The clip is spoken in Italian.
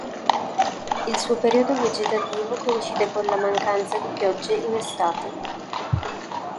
Il suo periodo vegetativo coincide con la mancanza di piogge in estate.